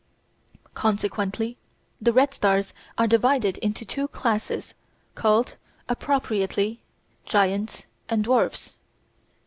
Consequently the red stars are divided into two classes called, appropriately, Giants and Dwarfs.